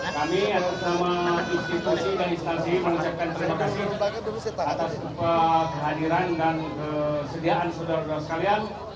kami atas nama institusi dan instansi mengucapkan terima kasih atas kehadiran dan kesediaan saudara saudara sekalian